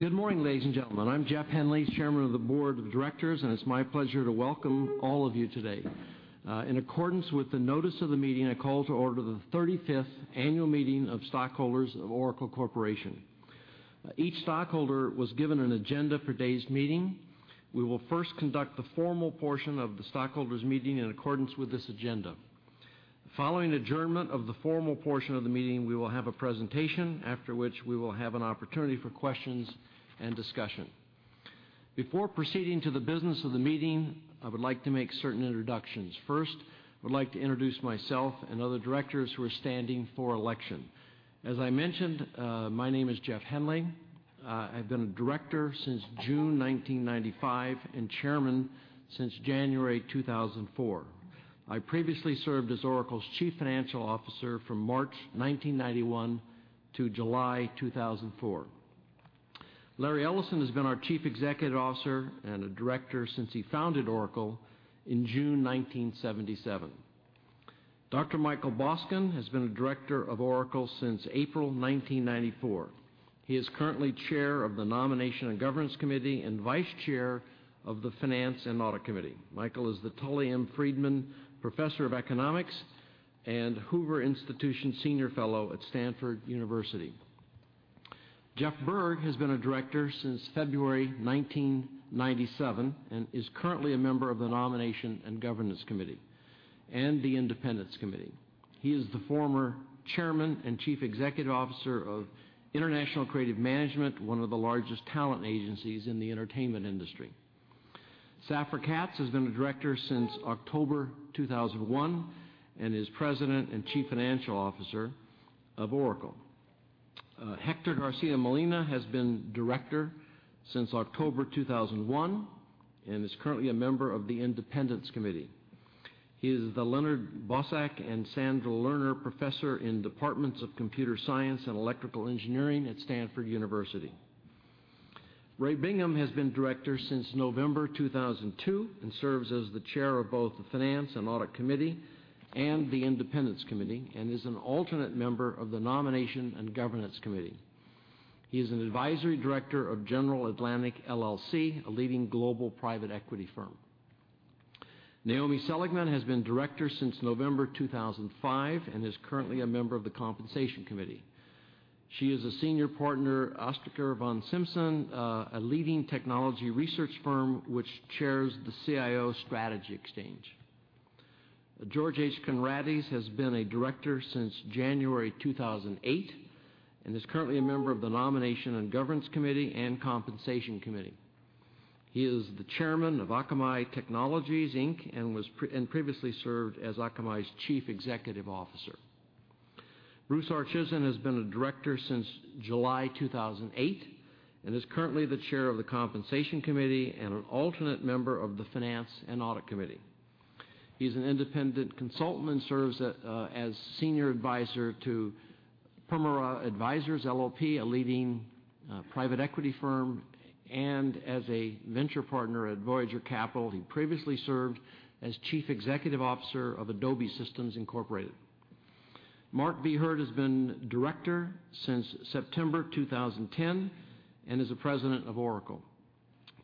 Good morning, ladies and gentlemen. I'm Jeff Henley, Chairman of the Board of Directors, and it's my pleasure to welcome all of you today. In accordance with the notice of the meeting, I call to order the 35th annual meeting of stockholders of Oracle Corporation. Each stockholder was given an agenda for today's meeting. We will first conduct the formal portion of the stockholders meeting in accordance with this agenda. Following adjournment of the formal portion of the meeting, we will have a presentation, after which we will have an opportunity for questions and discussion. Before proceeding to the business of the meeting, I would like to make certain introductions. First, I would like to introduce myself and other directors who are standing for election. As I mentioned, my name is Jeff Henley. I've been a director since June 1995 and Chairman since January 2004. I previously served as Oracle's Chief Financial Officer from March 1991 to July 2004. Larry Ellison has been our Chief Executive Officer and a director since he founded Oracle in June 1977. Dr. Michael Boskin has been a director of Oracle since April 1994. He is currently Chair of the Nomination and Governance Committee and Vice Chair of the Finance and Audit Committee. Michael is the Tully M. Friedman Professor of Economics and Hoover Institution senior fellow at Stanford University. Jeff Berg has been a director since February 1997 and is currently a member of the Nomination and Governance Committee and the Independence Committee. He is the former Chairman and Chief Executive Officer of International Creative Management, one of the largest talent agencies in the entertainment industry. Safra Catz has been a director since October 2001 and is President and Chief Financial Officer of Oracle. Hector Garcia-Molina has been director since October 2001 and is currently a member of the Independence Committee. He is the Leonard Bosack and Sandra Lerner Professor in departments of computer science and electrical engineering at Stanford University. Ray Bingham has been director since November 2002 and serves as the Chair of both the Finance and Audit Committee and the Independence Committee and is an alternate member of the Nomination and Governance Committee. He is an advisory director of General Atlantic LLC, a leading global private equity firm. Naomi Seligman has been director since November 2005 and is currently a member of the Compensation Committee. She is a senior partner at Ostriker von Simson., a leading technology research firm which chairs the CIO Strategy Exchange. George H. Conrades has been a director since January 2008 and is currently a member of the Nomination and Governance Committee and Compensation Committee. He is the Chairman of Akamai Technologies, Inc. and previously served as Akamai's Chief Executive Officer. Bruce Chizen has been a director since July 2008 and is currently the Chair of the Compensation Committee and an alternate member of the Finance and Audit Committee. He's an independent consultant and serves as senior advisor to Permira Advisors LLP, a leading private equity firm, and as a venture partner at Voyager Capital. He previously served as Chief Executive Officer of Adobe Systems Incorporated. Mark B. Hurd has been director since September 2010 and is the President of Oracle.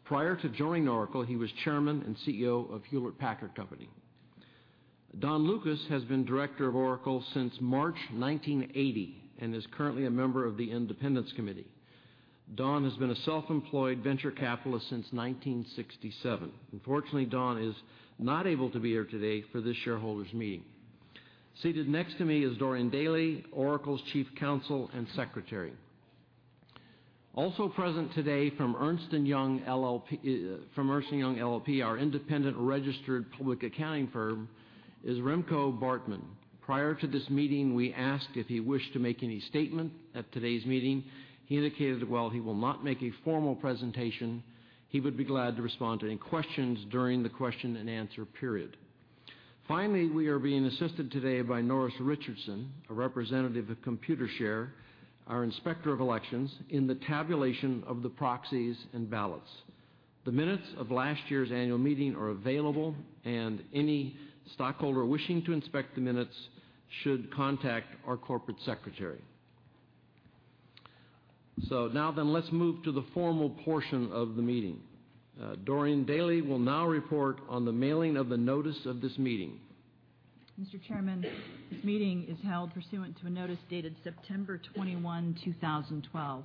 Prior to joining Oracle, he was Chairman and CEO of Hewlett-Packard Company. Don Lucas has been director of Oracle since March 1980 and is currently a member of the Independence Committee. Don has been a self-employed venture capitalist since 1967. Unfortunately, Don is not able to be here today for this shareholders meeting. Seated next to me is Dorian Daley, Oracle's chief counsel and secretary. Also present today from Ernst & Young LLP, our independent registered public accounting firm, is Remco Bartman. Prior to this meeting, we asked if he wished to make any statement at today's meeting. He indicated that while he will not make a formal presentation, he would be glad to respond to any questions during the question and answer period. Finally, we are being assisted today by Norris Richardson, a representative of Computershare, our inspector of elections, in the tabulation of the proxies and ballots. The minutes of last year's annual meeting are available, and any stockholder wishing to inspect the minutes should contact our corporate secretary. Let's move to the formal portion of the meeting. Dorian Daley will now report on the mailing of the notice of this meeting. Mr. Chairman, this meeting is held pursuant to a notice dated September 21, 2012.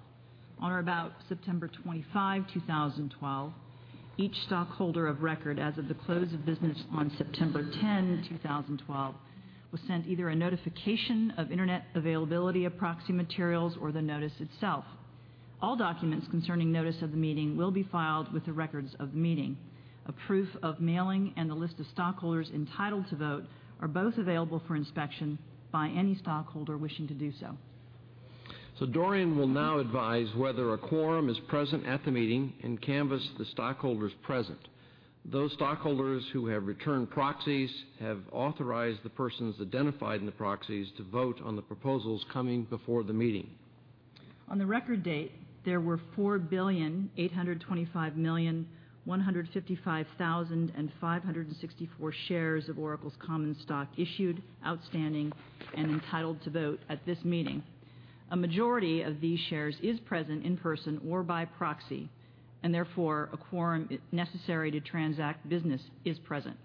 On or about September 25, 2012, each stockholder of record as of the close of business on September 10, 2012 was sent either a notification of internet availability of proxy materials or the notice itself. All documents concerning notice of the meeting will be filed with the records of the meeting. A proof of mailing and the list of stockholders entitled to vote are both available for inspection by any stockholder wishing to do so. Dorian will now advise whether a quorum is present at the meeting and canvass the stockholders present. Those stockholders who have returned proxies have authorized the persons identified in the proxies to vote on the proposals coming before the meeting. On the record date, there were 4,825,155,564 shares of Oracle's common stock issued, outstanding, and entitled to vote at this meeting. A majority of these shares is present in person or by proxy, and therefore a quorum necessary to transact business is present.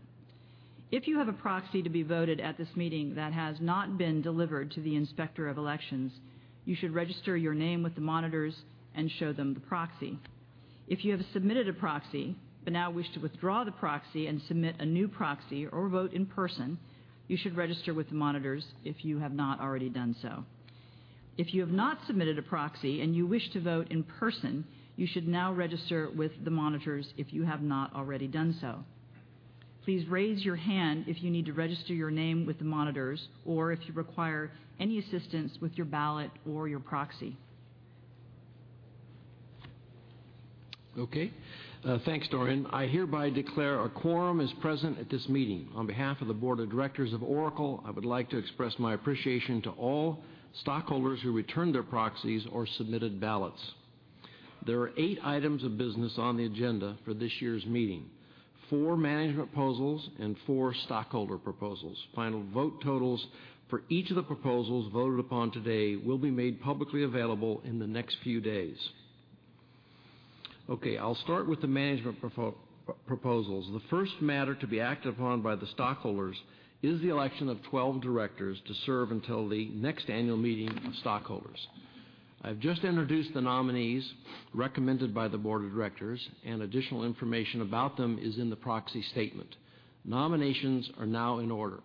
If you have a proxy to be voted at this meeting that has not been delivered to the Inspector of Elections, you should register your name with the monitors and show them the proxy. If you have submitted a proxy but now wish to withdraw the proxy and submit a new proxy or vote in person, you should register with the monitors if you have not already done so. If you have not submitted a proxy and you wish to vote in person, you should now register with the monitors if you have not already done so. Please raise your hand if you need to register your name with the monitors or if you require any assistance with your ballot or your proxy. Thanks, Dorian. I hereby declare a quorum is present at this meeting. On behalf of the board of directors of Oracle, I would like to express my appreciation to all stockholders who returned their proxies or submitted ballots. There are eight items of business on the agenda for this year's meeting, four management proposals and four stockholder proposals. Final vote totals for each of the proposals voted upon today will be made publicly available in the next few days. I'll start with the management proposals. The first matter to be acted upon by the stockholders is the election of 12 directors to serve until the next annual meeting of stockholders. I've just introduced the nominees recommended by the board of directors, and additional information about them is in the proxy statement. Nominations are now in order.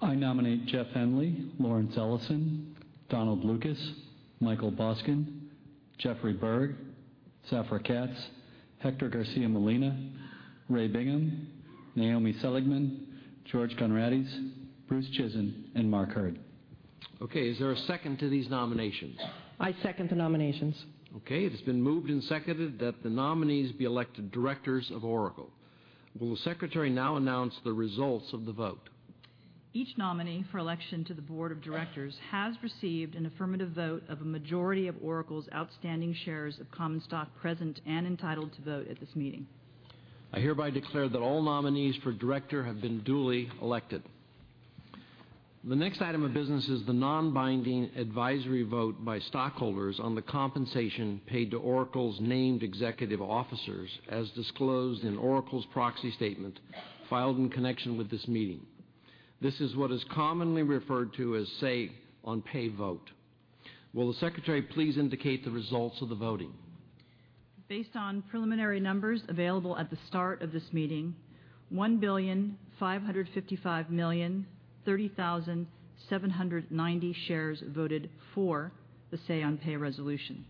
I nominate Jeff Henley, Lawrence Ellison, Donald Lucas, Michael Boskin, Jeffrey Berg, Safra Catz, Hector Garcia-Molina, Ray Bingham, Naomi Seligman, George Conrades, Bruce Chizen, and Mark Hurd. Is there a second to these nominations? I second the nominations. Okay. It has been moved and seconded that the nominees be elected directors of Oracle. Will the secretary now announce the results of the vote? Each nominee for election to the board of directors has received an affirmative vote of a majority of Oracle's outstanding shares of common stock present and entitled to vote at this meeting. I hereby declare that all nominees for director have been duly elected. The next item of business is the non-binding advisory vote by stockholders on the compensation paid to Oracle's named executive officers, as disclosed in Oracle's proxy statement filed in connection with this meeting. This is what is commonly referred to as say-on-pay vote. Will the secretary please indicate the results of the voting? Based on preliminary numbers available at the start of this meeting, 1,555,030,790 shares voted for the say-on-pay resolution,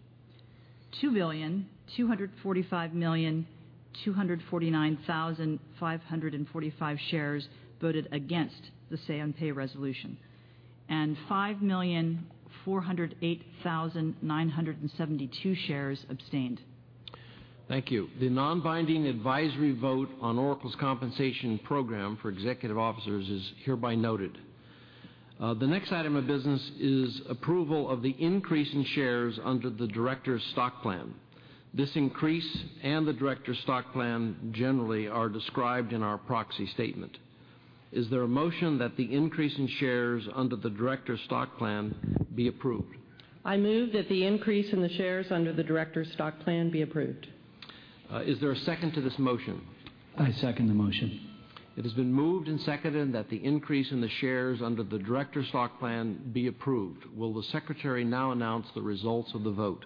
2,245,249,545 shares voted against the say-on-pay resolution, and 5,408,972 shares abstained. Thank you. The non-binding advisory vote on Oracle's compensation program for executive officers is hereby noted. The next item of business is approval of the increase in shares under the directors' stock plan. This increase and the directors' stock plan generally are described in our proxy statement. Is there a motion that the increase in shares under the directors' stock plan be approved? I move that the increase in the shares under the directors' stock plan be approved. Is there a second to this motion? I second the motion. It has been moved and seconded that the increase in the shares under the directors' stock plan be approved. Will the secretary now announce the results of the vote?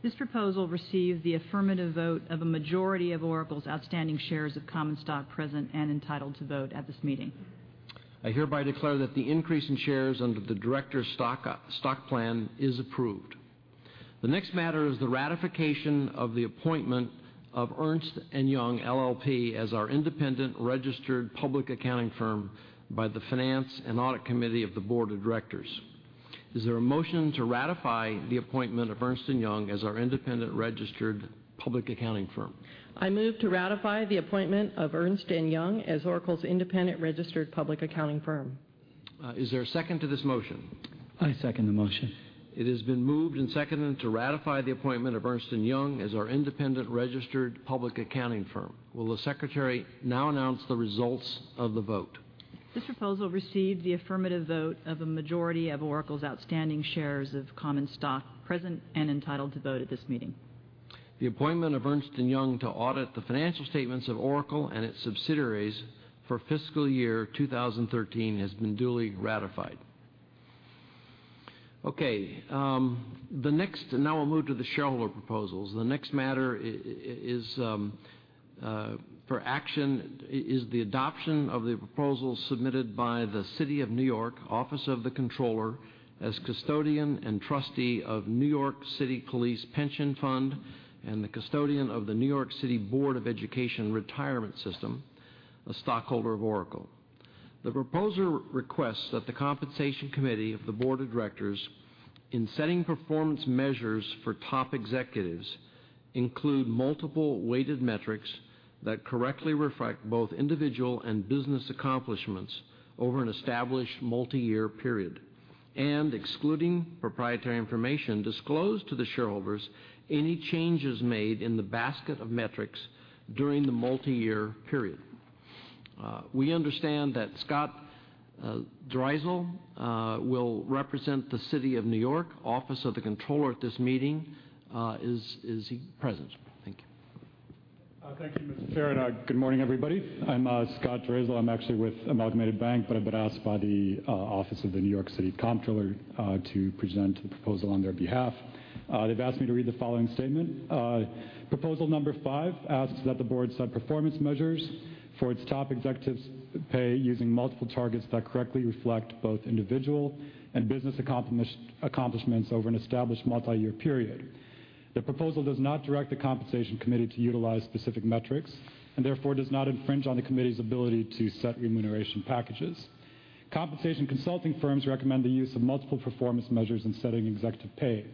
This proposal received the affirmative vote of a majority of Oracle's outstanding shares of common stock present and entitled to vote at this meeting. I hereby declare that the increase in shares under the directors' stock plan is approved. The next matter is the ratification of the appointment of Ernst & Young LLP as our independent registered public accounting firm by the finance and audit committee of the board of directors. Is there a motion to ratify the appointment of Ernst & Young as our independent registered public accounting firm? I move to ratify the appointment of Ernst & Young as Oracle's independent registered public accounting firm. Is there a second to this motion? I second the motion. It has been moved and seconded to ratify the appointment of Ernst & Young as our independent registered public accounting firm. Will the secretary now announce the results of the vote? This proposal received the affirmative vote of a majority of Oracle's outstanding shares of common stock present and entitled to vote at this meeting. The appointment of Ernst & Young to audit the financial statements of Oracle and its subsidiaries for fiscal year 2013 has been duly ratified. Okay. Now we'll move to the shareholder proposals. The next matter for action is the adoption of the proposal submitted by the City of New York, Office of the Comptroller, as custodian and trustee of New York City Police Pension Fund and the custodian of the New York City Board of Education Retirement System, a stockholder of Oracle. The proposal requests that the Compensation Committee of the Board of Directors, in setting performance measures for top executives, include multiple weighted metrics that correctly reflect both individual and business accomplishments over an established multi-year period and, excluding proprietary information, disclose to the shareholders any changes made in the basket of metrics during the multi-year period. We understand that Scott Zdrazil will represent the City of New York, Office of the Comptroller at this meeting. Is he present? Thank you. Thank you, Mr. Chair. Good morning, everybody. I'm Scott Zdrazil. I'm actually with Amalgamated Bank, I've been asked by the Office of the New York City Comptroller to present the proposal on their behalf. They've asked me to read the following statement. Proposal number five asks that the board set performance measures for its top executives' pay using multiple targets that correctly reflect both individual and business accomplishments over an established multi-year period. The proposal does not direct the compensation committee to utilize specific metrics, therefore does not infringe on the committee's ability to set remuneration packages. Compensation consulting firms recommend the use of multiple performance measures in setting executive pay.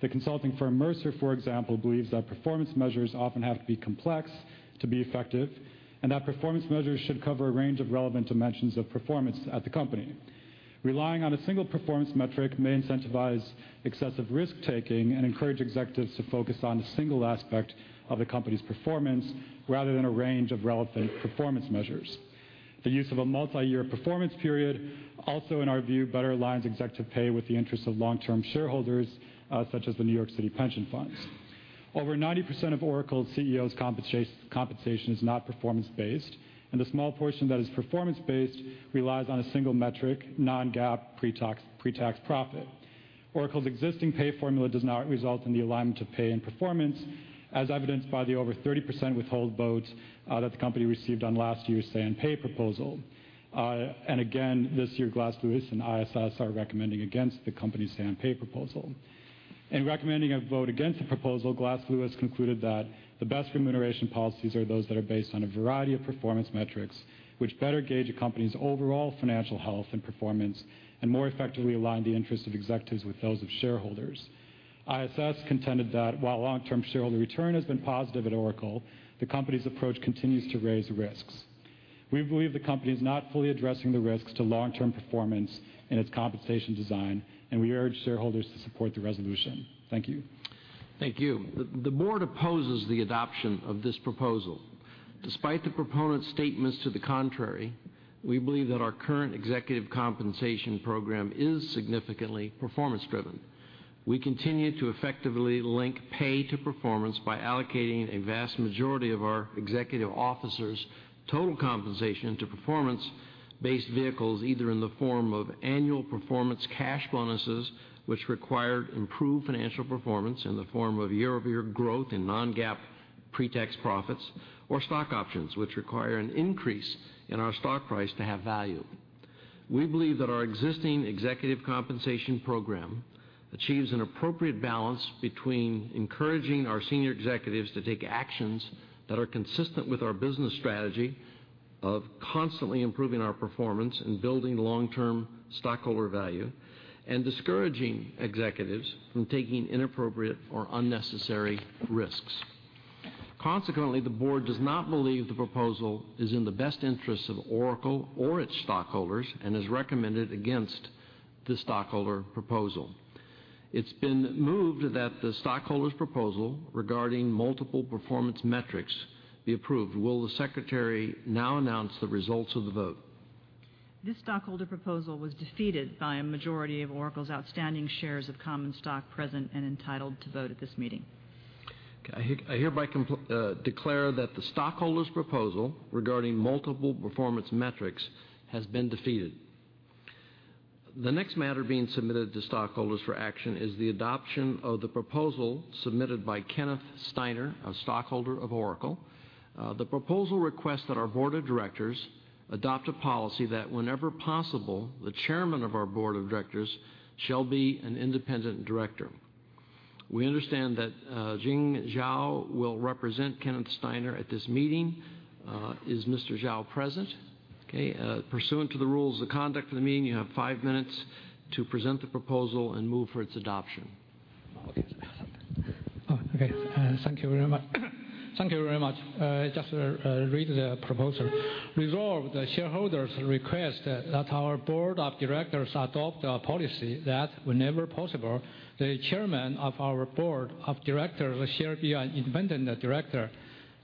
The consulting firm Mercer, for example, believes that performance measures often have to be complex to be effective, that performance measures should cover a range of relevant dimensions of performance at the company. Relying on a single performance metric may incentivize excessive risk-taking and encourage executives to focus on a single aspect of the company's performance rather than a range of relevant performance measures. The use of a multi-year performance period also, in our view, better aligns executive pay with the interests of long-term shareholders, such as the New York City pension funds. Over 90% of Oracle's CEO's compensation is not performance-based, and the small portion that is performance-based relies on a single metric, non-GAAP, pre-tax profit. Oracle's existing pay formula does not result in the alignment of pay and performance, as evidenced by the over 30% withhold vote that the company received on last year's say and pay proposal. Again, this year, Glass Lewis and ISS are recommending against the company's say and pay proposal. In recommending a vote against the proposal, Glass Lewis concluded that the best remuneration policies are those that are based on a variety of performance metrics, which better gauge a company's overall financial health and performance and more effectively align the interests of executives with those of shareholders. ISS contended that while long-term shareholder return has been positive at Oracle, the company's approach continues to raise risks. We believe the company is not fully addressing the risks to long-term performance in its compensation design, and we urge shareholders to support the resolution. Thank you. Thank you. The board opposes the adoption of this proposal. Despite the proponent's statements to the contrary, we believe that our current executive compensation program is significantly performance-driven. We continue to effectively link pay to performance by allocating a vast majority of our executive officers' total compensation to performance-based vehicles, either in the form of annual performance cash bonuses, which require improved financial performance in the form of year-over-year growth in non-GAAP pre-tax profits, or stock options, which require an increase in our stock price to have value. We believe that our existing executive compensation program achieves an appropriate balance between encouraging our senior executives to take actions that are consistent with our business strategy of constantly improving our performance and building long-term stockholder value, and discouraging executives from taking inappropriate or unnecessary risks. Consequently, the board does not believe the proposal is in the best interest of Oracle or its stockholders and has recommended against the stockholder proposal. It's been moved that the stockholder's proposal regarding multiple performance metrics be approved. Will the secretary now announce the results of the vote? This stockholder proposal was defeated by a majority of Oracle's outstanding shares of common stock present and entitled to vote at this meeting. Okay. I hereby declare that the stockholder's proposal regarding multiple performance metrics has been defeated. The next matter being submitted to stockholders for action is the adoption of the proposal submitted by Kenneth Steiner, a stockholder of Oracle. The proposal requests that our board of directors adopt a policy that whenever possible, the chairman of our board of directors shall be an independent director. We understand that Jing Zhao will represent Kenneth Steiner at this meeting. Is Mr. Zhao present? Okay, pursuant to the rules of conduct of the meeting, you have five minutes to present the proposal and move for its adoption. Okay. Thank you very much. Thank you very much. Just to read the proposal. Resolved, the shareholders request that our board of directors adopt a policy that, whenever possible, the chairman of our board of directors shall be an independent director.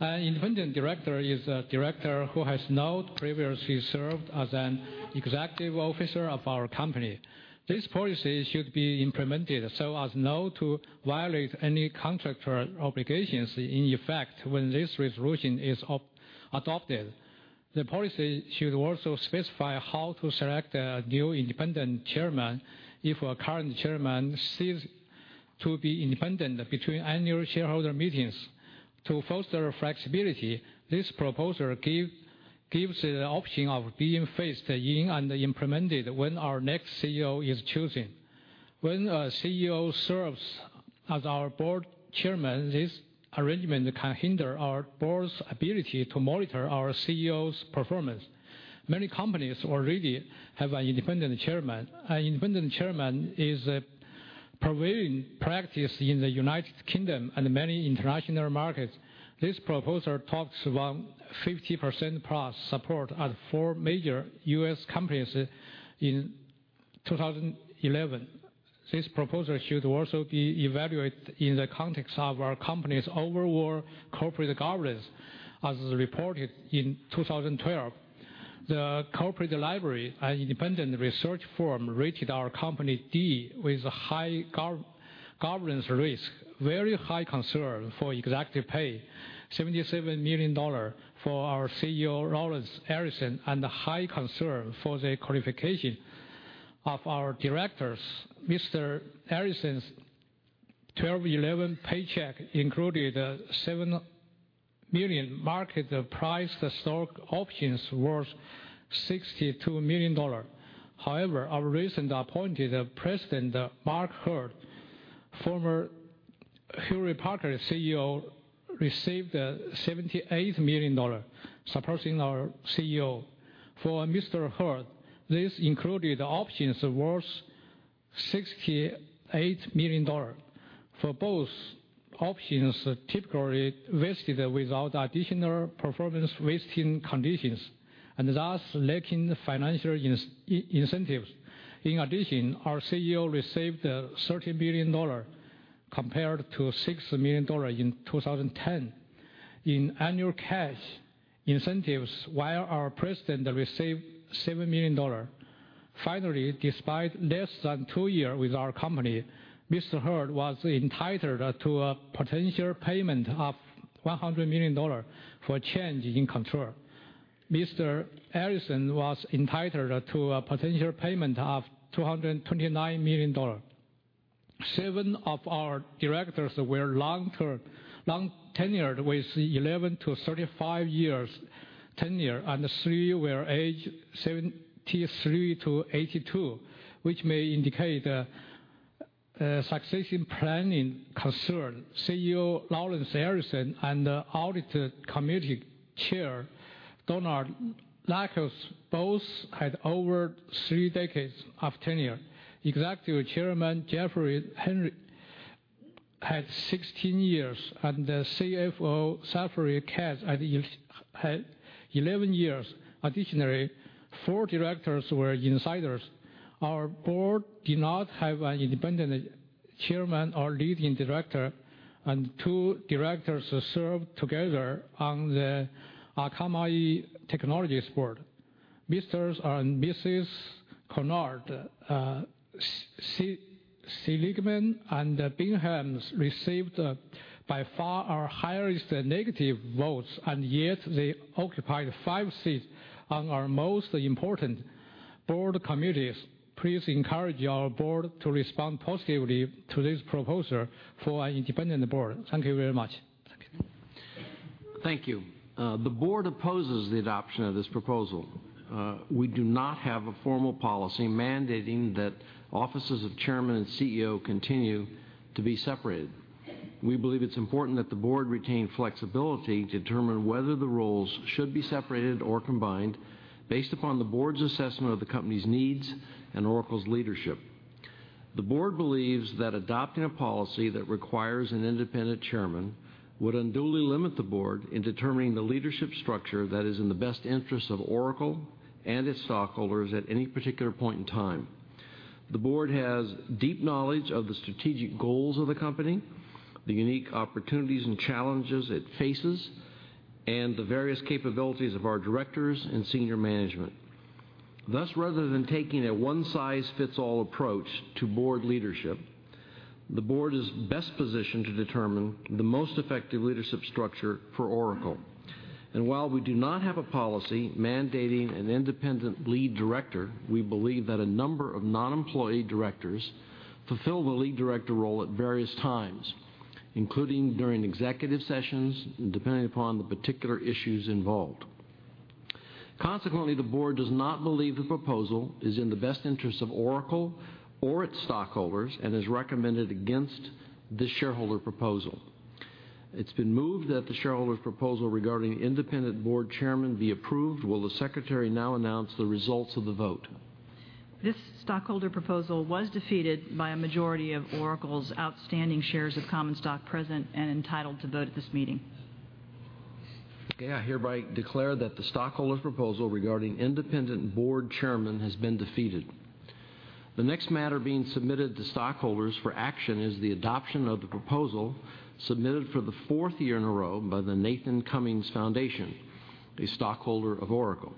An independent director is a director who has not previously served as an executive officer of our company. This policy should be implemented so as not to violate any contractual obligations in effect when this resolution is adopted. The policy should also specify how to select a new independent chairman if a current chairman ceases to be independent between annual shareholder meetings. To foster flexibility, this proposal gives the option of being phased in and implemented when our next CEO is chosen. When a CEO serves as our board chairman, this arrangement can hinder our board's ability to monitor our CEO's performance. Many companies already have an independent chairman. An independent chairman is a prevailing practice in the United Kingdom and many international markets. This proposal talks about 50% plus support at four major U.S. companies in 2011. This proposal should also be evaluated in the context of our company's overall corporate governance, as reported in 2012. The Corporate Library, an independent research firm, rated our company D with high governance risk, very high concern for executive pay, $77 million for our CEO, Lawrence Ellison, and high concern for the qualification of our directors. Mr. Ellison's 12/11 paycheck included a $7 million market price stock options worth $62 million. However, our recently appointed President, Mark Hurd, former Hewlett-Packard CEO, received $78 million, surpassing our CEO. For Mr. Hurd, this included options worth $68 million. For both, options typically vested without additional performance vesting conditions, and thus lacking financial incentives. In addition, our CEO received $30 million compared to $6 million in 2010 in annual cash incentives, while our president received $7 million. Finally, despite less than two years with our company, Mr. Hurd was entitled to a potential payment of $100 million for change in control. Mr. Ellison was entitled to a potential payment of $229 million. Seven of our directors were long tenured with 11 to 35 years tenure, and three were age 73 to 82, which may indicate a succession planning concern. CEO Lawrence Ellison and Audit Committee Chair Donald Lucas both had over three decades of tenure. Executive Chairman Jeffrey Henley had 16 years, and CFO Safra Catz had 11 years. Additionally, four directors were insiders. Our board did not have an independent chairman or leading director, and two directors served together on the Akamai Technologies board. Mr. and Mrs. Conrades, Seligman, and Binghams received by far our highest negative votes, and yet they occupied five seats on our most important board committees. Please encourage our board to respond positively to this proposal for an independent board. Thank you very much. Thank you. The board opposes the adoption of this proposal. We do not have a formal policy mandating that offices of chairman and CEO continue to be separated. We believe it's important that the board retain flexibility to determine whether the roles should be separated or combined based upon the board's assessment of the company's needs and Oracle's leadership. The board believes that adopting a policy that requires an independent chairman would unduly limit the board in determining the leadership structure that is in the best interest of Oracle and its stockholders at any particular point in time. The board has deep knowledge of the strategic goals of the company, the unique opportunities and challenges it faces, and the various capabilities of our directors and senior management. Thus, rather than taking a one-size-fits-all approach to board leadership, the board is best positioned to determine the most effective leadership structure for Oracle. While we do not have a policy mandating an independent lead director, we believe that a number of non-employee directors fulfill the lead director role at various times, including during executive sessions, depending upon the particular issues involved. Consequently, the board does not believe the proposal is in the best interest of Oracle or its stockholders and has recommended against this shareholder proposal. It's been moved that the shareholder proposal regarding independent board chairman be approved. Will the secretary now announce the results of the vote? This stockholder proposal was defeated by a majority of Oracle's outstanding shares of common stock present and entitled to vote at this meeting. Okay, I hereby declare that the stockholder's proposal regarding independent board chairman has been defeated. The next matter being submitted to stockholders for action is the adoption of the proposal submitted for the fourth year in a row by the Nathan Cummings Foundation, a stockholder of Oracle.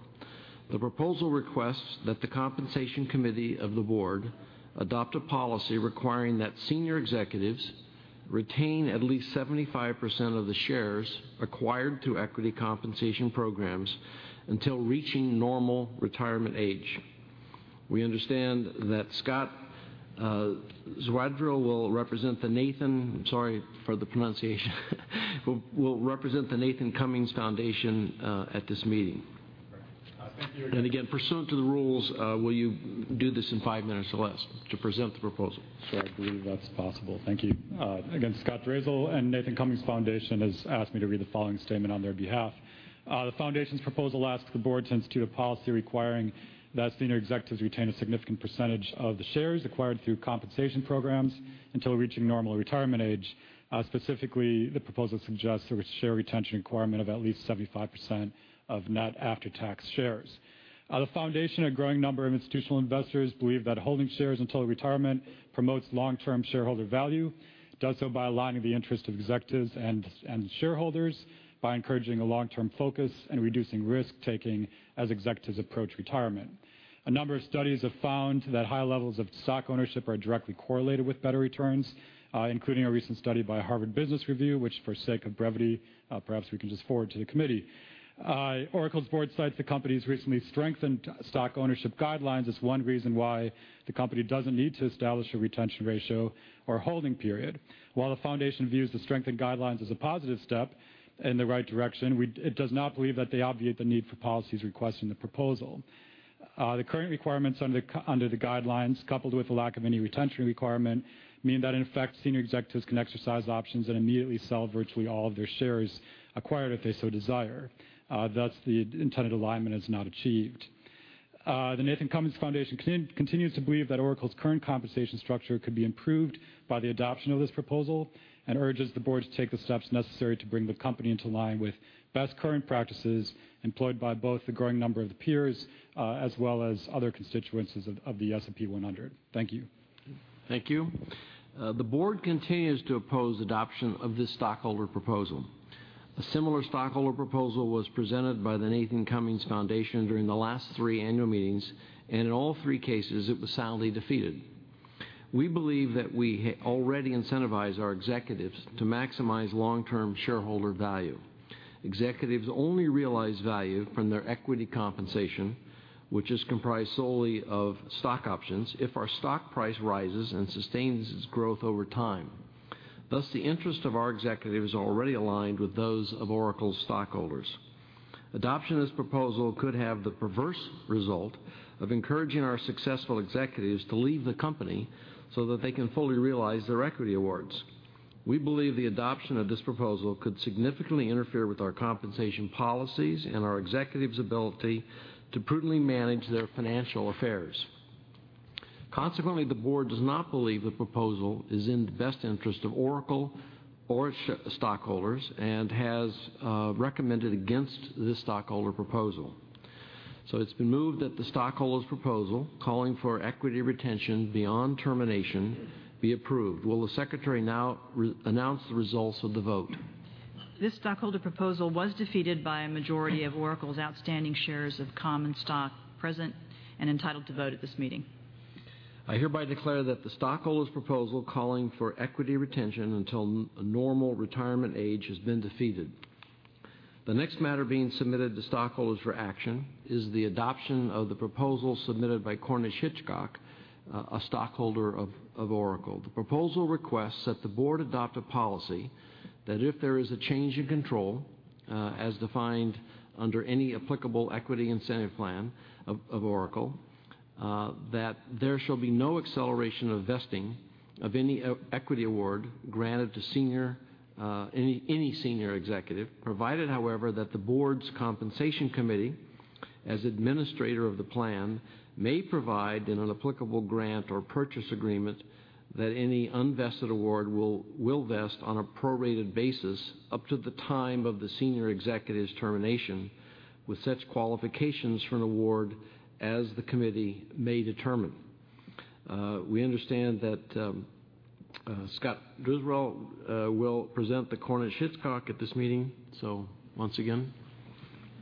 The proposal requests that the Compensation Committee of the board adopt a policy requiring that senior executives retain at least 75% of the shares acquired through equity compensation programs until reaching normal retirement age. We understand that Scott Drazel will represent the Nathan Cummings Foundation at this meeting. I'm sorry for the pronunciation. Again, pursuant to the rules, will you do this in five minutes or less to present the proposal? Sure, I believe that's possible. Thank you. Again, Scott Drazel. Nathan Cummings Foundation has asked me to read the following statement on their behalf. The foundation's proposal asks the board to institute a policy requiring that senior executives retain a significant percentage of the shares acquired through compensation programs until reaching normal retirement age. Specifically, the proposal suggests a share retention requirement of at least 75% of net after-tax shares. The foundation, a growing number of institutional investors believe that holding shares until retirement promotes long-term shareholder value, does so by aligning the interest of executives and shareholders by encouraging a long-term focus and reducing risk-taking as executives approach retirement. A number of studies have found that high levels of stock ownership are directly correlated with better returns, including a recent study by Harvard Business Review, which for sake of brevity, perhaps we can just forward to the committee. Oracle's board cites the company's recently strengthened stock ownership guidelines as one reason why the company doesn't need to establish a retention ratio or holding period. While the foundation views the strengthened guidelines as a positive step in the right direction, it does not believe that they obviate the need for policies requesting the proposal. The current requirements under the guidelines, coupled with the lack of any retention requirement, mean that, in effect, senior executives can exercise options and immediately sell virtually all of their shares acquired if they so desire. Thus, the intended alignment is not achieved. The Nathan Cummings Foundation continues to believe that Oracle's current compensation structure could be improved by the adoption of this proposal and urges the board to take the steps necessary to bring the company into line with best current practices employed by both the growing number of peers, as well as other constituencies of the S&P 100. Thank you. Thank you. The board continues to oppose adoption of this stockholder proposal. A similar stockholder proposal was presented by the Nathan Cummings Foundation during the last three annual meetings. In all three cases, it was soundly defeated. We believe that we already incentivize our executives to maximize long-term shareholder value. Executives only realize value from their equity compensation, which is comprised solely of stock options if our stock price rises and sustains its growth over time. The interest of our executives are already aligned with those of Oracle stockholders. Adoption of this proposal could have the perverse result of encouraging our successful executives to leave the company so that they can fully realize their equity awards. We believe the adoption of this proposal could significantly interfere with our compensation policies and our executives' ability to prudently manage their financial affairs. Consequently, the board does not believe the proposal is in the best interest of Oracle or its stockholders and has recommended against this stockholder proposal. It's been moved that the stockholder's proposal calling for equity retention beyond termination be approved. Will the secretary now announce the results of the vote? This stockholder proposal was defeated by a majority of Oracle's outstanding shares of common stock present and entitled to vote at this meeting. I hereby declare that the stockholder's proposal calling for equity retention until a normal retirement age has been defeated. The next matter being submitted to stockholders for action is the adoption of the proposal submitted by Cornish Hitchcock, a stockholder of Oracle. The proposal requests that the board adopt a policy that if there is a change in control, as defined under any applicable equity incentive plan of Oracle, that there shall be no acceleration of vesting of any equity award granted to any senior executive, provided, however, that the board's Compensation Committee, as administrator of the plan, may provide in an applicable grant or purchase agreement that any unvested award will vest on a prorated basis up to the time of the senior executive's termination with such qualifications for an award as the committee may determine. We understand that Scott Drazel will present the Cornish Hitchcock at this meeting. Once again.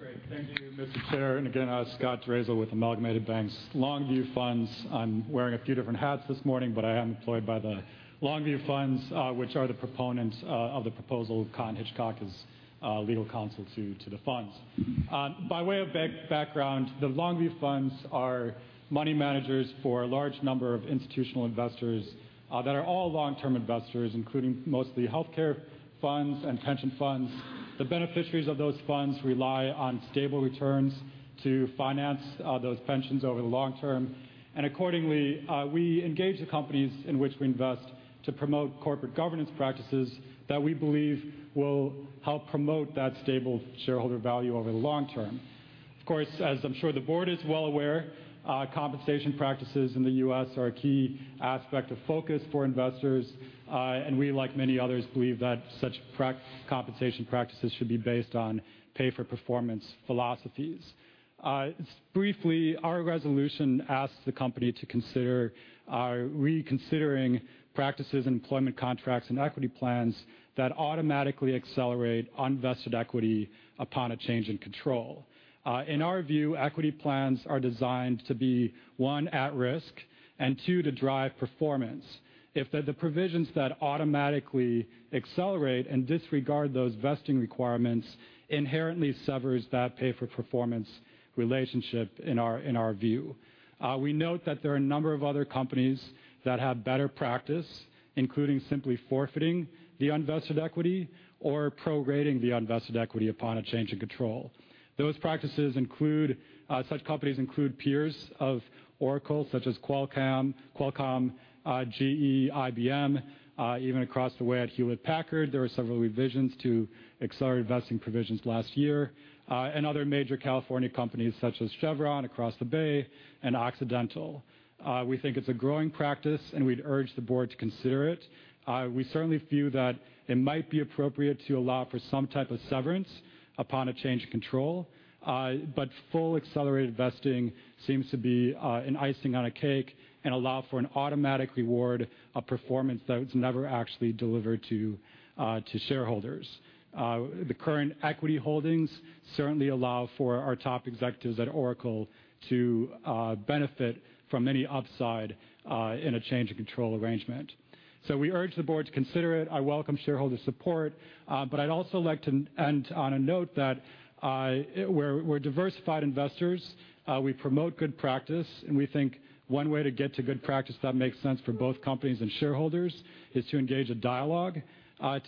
Great. Thank you, Mr. Chair. Scott Drazel with Amalgamated Bank's LongView Funds. I'm wearing a few different hats this morning, but I am employed by the LongView Funds, which are the proponents of the proposal. Cornish Hitchcock is legal counsel to the funds. By way of background, the LongView Funds are money managers for a large number of institutional investors that are all long-term investors, including mostly healthcare funds and pension funds. The beneficiaries of those funds rely on stable returns to finance those pensions over the long term, and accordingly, we engage the companies in which we invest to promote corporate governance practices that we believe will help promote that stable shareholder value over the long term. Of course, as I'm sure the board is well aware, compensation practices in the U.S. are a key aspect of focus for investors, and we, like many others, believe that such compensation practices should be based on pay-for-performance philosophies. Briefly, our resolution asks the company to consider reconsidering practices, employment contracts, and equity plans that automatically accelerate unvested equity upon a change in control. In our view, equity plans are designed to be, one, at risk, and two, to drive performance. If the provisions that automatically accelerate and disregard those vesting requirements inherently severs that pay-for-performance relationship in our view. We note that there are a number of other companies that have better practice, including simply forfeiting the unvested equity or prorating the unvested equity upon a change in control. Such companies include peers of Oracle, such as Qualcomm, GE, IBM, even across the way at Hewlett-Packard, there were several revisions to accelerate vesting provisions last year, and other major California companies such as Chevron across the bay, and Occidental. We think it's a growing practice, and we'd urge the board to consider it. We certainly view that it might be appropriate to allow for some type of severance upon a change of control. Full accelerated vesting seems to be an icing on a cake and allow for an automatic reward, a performance that was never actually delivered to shareholders. The current equity holdings certainly allow for our top executives at Oracle to benefit from any upside in a change of control arrangement. We urge the board to consider it. I welcome shareholder support. I'd also like to end on a note that we're diversified investors. We promote good practice, and we think one way to get to good practice that makes sense for both companies and shareholders is to engage in dialogue.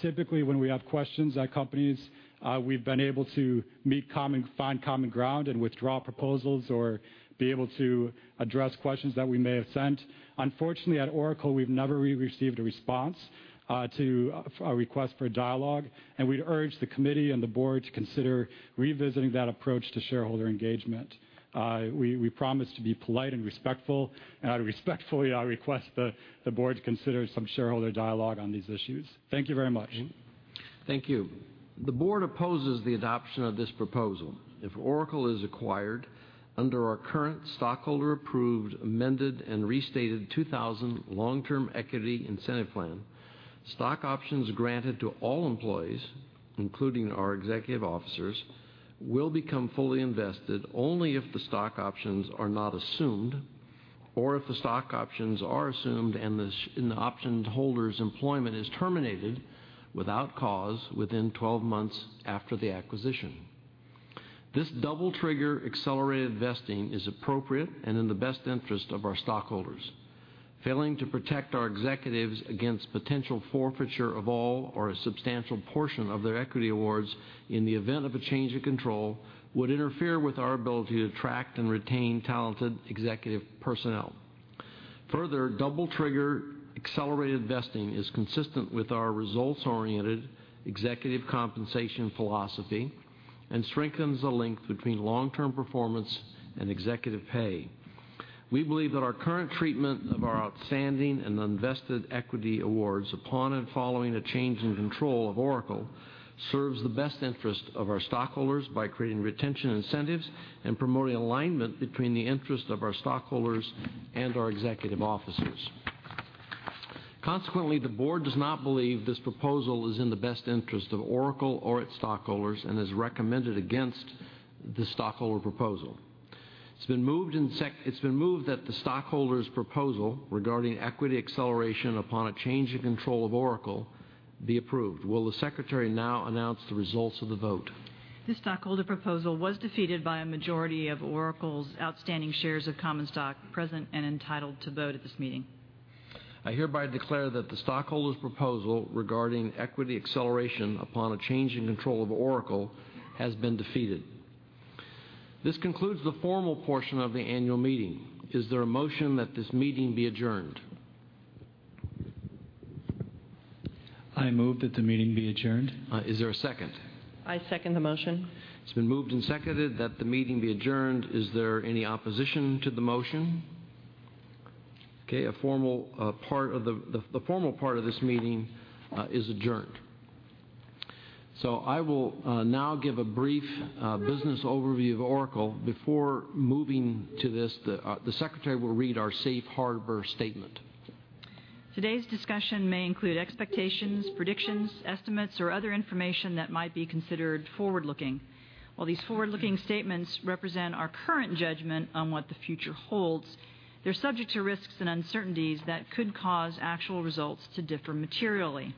Typically, when we have questions at companies, we've been able to find common ground and withdraw proposals or be able to address questions that we may have sent. Unfortunately, at Oracle, we've never really received a response to our request for dialogue, and we'd urge the committee and the board to consider revisiting that approach to shareholder engagement. We promise to be polite and respectful, and I respectfully request the board to consider some shareholder dialogue on these issues. Thank you very much. Thank you. The board opposes the adoption of this proposal. If Oracle is acquired under our current stockholder approved, amended, and restated 2000 long-term equity incentive plan, stock options granted to all employees, including our executive officers, will become fully vested only if the stock options are not assumed or if the stock options are assumed and the option holder's employment is terminated without cause within 12 months after the acquisition. This double trigger accelerated vesting is appropriate and in the best interest of our stockholders. Failing to protect our executives against potential forfeiture of all or a substantial portion of their equity awards in the event of a change of control would interfere with our ability to attract and retain talented executive personnel. Further, double trigger accelerated vesting is consistent with our results-oriented executive compensation philosophy and strengthens the link between long-term performance and executive pay. We believe that our current treatment of our outstanding and unvested equity awards upon and following a change in control of Oracle serves the best interest of our stockholders by creating retention incentives and promoting alignment between the interest of our stockholders and our executive officers. Consequently, the board does not believe this proposal is in the best interest of Oracle or its stockholders and has recommended against the stockholder proposal. It's been moved that the stockholder's proposal regarding equity acceleration upon a change in control of Oracle be approved. Will the secretary now announce the results of the vote? This stockholder proposal was defeated by a majority of Oracle's outstanding shares of common stock present and entitled to vote at this meeting. I hereby declare that the stockholder's proposal regarding equity acceleration upon a change in control of Oracle has been defeated. This concludes the formal portion of the annual meeting. Is there a motion that this meeting be adjourned? I move that the meeting be adjourned. Is there a second? I second the motion. It's been moved and seconded that the meeting be adjourned. Is there any opposition to the motion? Okay. The formal part of this meeting is adjourned. I will now give a brief business overview of Oracle. Before moving to this, the secretary will read our safe harbor statement. Today's discussion may include expectations, predictions, estimates, or other information that might be considered forward-looking. While these forward-looking statements represent our current judgment on what the future holds, they're subject to risks and uncertainties that could cause actual results to differ materially.